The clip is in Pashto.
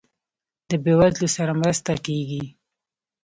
د بیوزلو سره مرسته کیږي؟